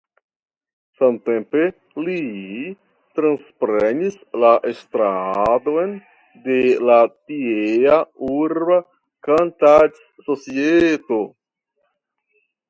Samtempe li transprenis la estradon de la tiea urba Kantadsocieto.